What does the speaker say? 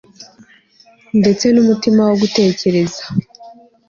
ndetse n'umutima wo gutekereza